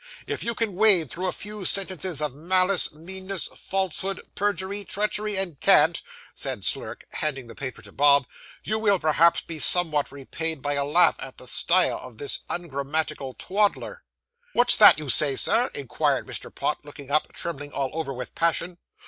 'If you can wade through a few sentences of malice, meanness, falsehood, perjury, treachery, and cant,' said Slurk, handing the paper to Bob, 'you will, perhaps, be somewhat repaid by a laugh at the style of this ungrammatical twaddler.' 'What's that you said, Sir?' inquired Mr. Pott, looking up, trembling all over with passion.